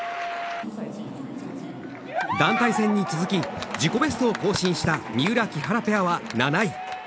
団体戦に続き自己ベストを更新した三浦、木原ペアは７位。